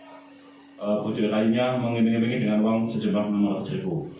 korban budir lainnya mengiming imingi dengan uang sejumlah rp enam ratus